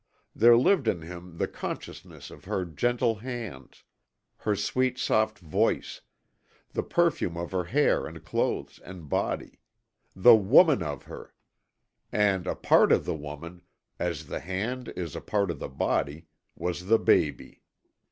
There lived in him the consciousness of her gentle hands; her sweet, soft voice; the perfume of her hair and clothes and body the WOMAN of her; and a part of the woman as the hand is a part of the body was the baby.